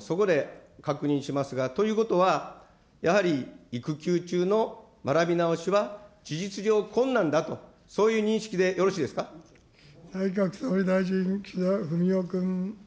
そこで確認しますが、ということは、やはり育休中の学び直しは、事実上、困難だと、内閣総理大臣、岸田文雄君。